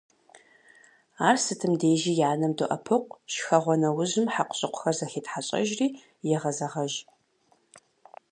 Ар сытым дежи и анэм доӀэпыкъу, шхэгъуэ нэужьым хьэкъущыкъухэр зэхетхьэщӏэжри егъэзэгъэж.